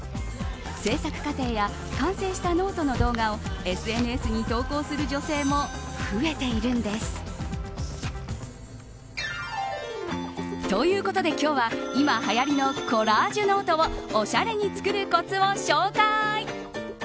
製作過程や完成したノートの動画をＳＮＳに投稿する女性も増えているんです。ということで今日は今はやりのコラージュノートをおしゃれに作るこつを紹介。